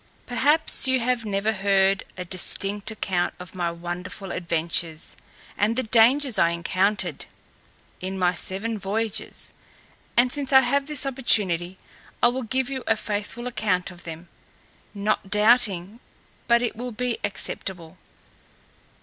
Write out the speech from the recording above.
Perhaps you have never heard a distinct account of my wonderful adventures, and the dangers I encountered, in my seven voyages; and since I have this opportunity, I will give you a faithful account of them, not doubting but it will be acceptable."